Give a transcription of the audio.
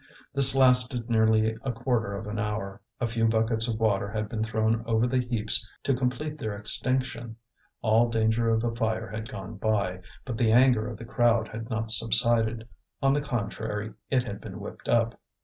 This lasted nearly a quarter of an hour. A few buckets of water had been thrown over the heaps to complete their extinction; all danger of a fire had gone by, but the anger of the crowd had not subsided; on the contrary, it had been whipped up.